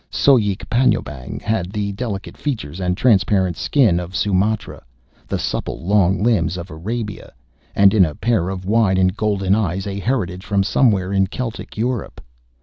Soek Panjoebang had the delicate features and transparent skin of Sumatra, the supple long limbs of Arabia and in a pair of wide and golden eyes a heritage from somewhere in Celtic Europe.